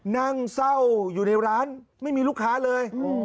นั่งเศร้าอยู่ในร้านไม่มีลูกค้าเลย